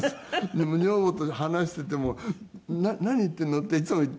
でも女房と話していても「何言ってんの？」っていつも言っている。